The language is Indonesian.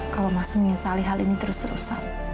kalau mas sumia salih hal ini terus terusan